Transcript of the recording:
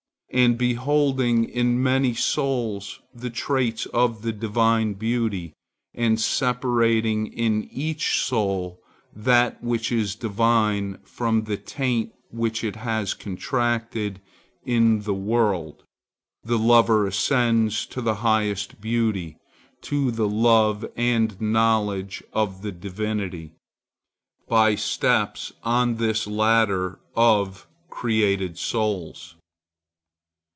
And beholding in many souls the traits of the divine beauty, and separating in each soul that which is divine from the taint which it has contracted in the world, the lover ascends to the highest beauty, to the love and knowledge of the Divinity, by steps on this ladder of created souls.